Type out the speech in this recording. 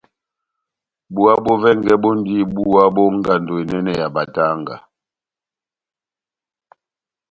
Búwa bó vɛngɛ bondi búwa bó ngando enɛnɛ ya batanga.